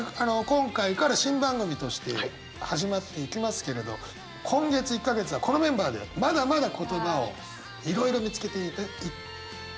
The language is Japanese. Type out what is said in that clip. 今回から新番組として始まっていきますけれど今月１か月はこのメンバーでまだまだ言葉をいろいろ見つけてい。